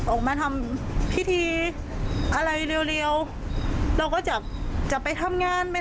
ออกมาทำพิธีอะไรเร็วเราก็จะไปทำงานไป